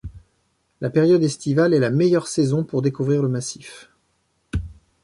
La période estivale est la meilleure saison pour découvrir le massif.